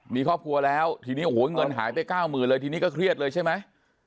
มีครอบครัวแล้วทีนี้โอ้โหเงินหายไปเก้าหมื่นเลยทีนี้ก็เครียดเลยใช่ไหม